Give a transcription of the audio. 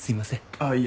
あっいえ。